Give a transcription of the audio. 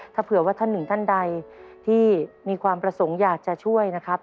ถ้าเผื่อว่าท่านหนึ่งท่านใดที่มีความประสงค์อยากจะช่วยนะครับ